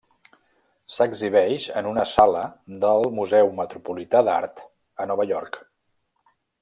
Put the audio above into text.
S'exhibeix en una sala del Museu Metropolità d'Art a Nova York.